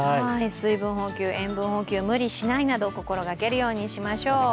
水分補給、塩分補給無理しないなど心がけるようにしましょう。